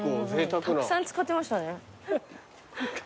たくさん使ってましたね。